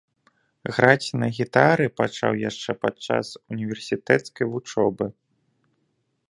Граць на гітары пачаў яшчэ падчас універсітэцкай вучобы.